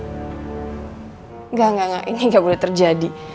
engga engga engga ini ga boleh terjadi